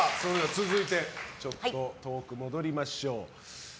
続いて、トークに戻りましょう。